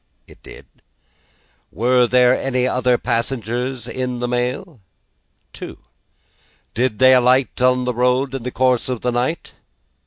"It did." "Were there any other passengers in the mail?" "Two." "Did they alight on the road in the course of the night?"